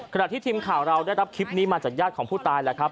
ขณะที่ทีมข่าวเราได้รับคลิปนี้มาจากญาติของผู้ตายแล้วครับ